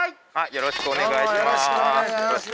よろしくお願いします。